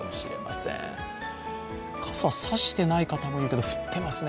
傘、差していない方もいるけど降ってますね。